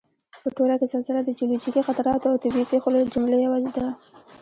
په ټوله کې زلزله د جیولوجیکي خطراتو او طبعي پېښو له جملې یوه ده